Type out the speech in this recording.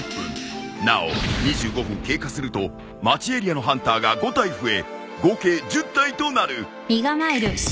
なお２５分経過すると町エリアのハンターが５体増え合計１０体となる。